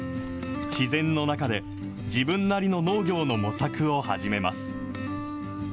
自然の中で、自分なりの農業の模索を始めます。